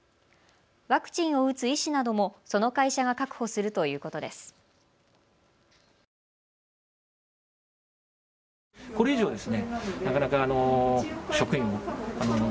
ワクチンを打つ医師などもその会社が確保するということです。